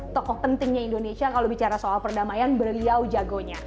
tokoh pentingnya indonesia kalau bicara soal perdamaian beliau jagonya